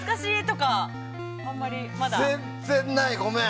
全然ない、ごめん。